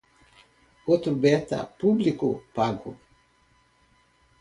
Outro beta público pago